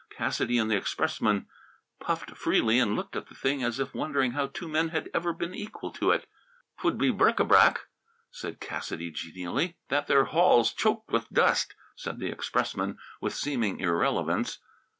Cassidy and the expressman puffed freely and looked at the thing as if wondering how two men had ever been equal to it. "'Twould be brickybac," said Cassidy genially. "That there hall's choked with dust," said the expressman with seeming irrelevance.